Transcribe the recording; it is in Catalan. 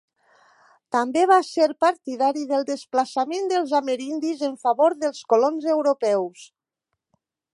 També va ser partidari del desplaçament dels amerindis en favor dels colons europeus.